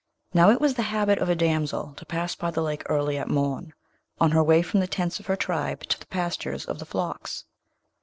Now, it was the habit of a damsel to pass by the lake early at morn, on her way from the tents of her tribe to the pastures of the flocks.